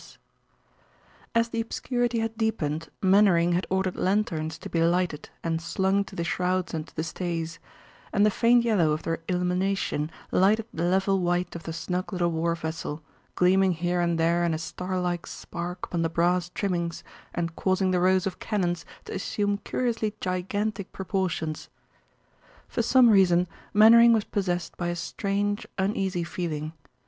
[Illustration: THEN THE REAL FIGHT BEGAN] As the obscurity had deepened, Mainwaring had ordered lanthorns to be lighted and slung to the shrouds and to the stays, and the faint yellow of their illumination lighted the level white of the snug little war vessel, gleaming here and there in a starlike spark upon the brass trimmings and causing the rows of cannons to assume curiously gigantic proportions. For some reason Mainwaring was possessed by a strange, uneasy feeling.